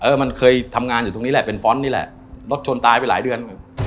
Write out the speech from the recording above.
มันเคยทำงานอยู่ตรงนี้แหละเป็นฟ้อนต์นี่แหละรถชนตายไปหลายเดือน